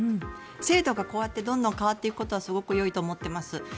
制度がこうやって変わっていくことはすごくよいと思っています。